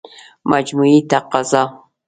مجموعي تقاضا